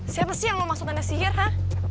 siapa sih yang mau masuk anda sihir ha